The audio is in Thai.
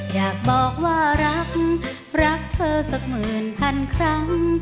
อยากบอกว่ารักรักเธอสักหมื่นพันครั้ง